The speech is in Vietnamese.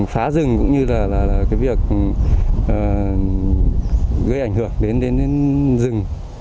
phá rừng cũng như là cái việc gây ảnh hưởng đến rừng